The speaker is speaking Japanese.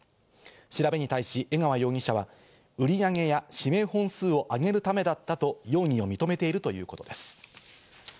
調べに対し江川容疑者は売り上げや指名本数を上げるためだったと容疑を認めているということです。